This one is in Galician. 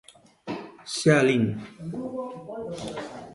Xa a lin.